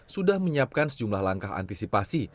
sudah menyiapkan sejumlah langkah antisipasi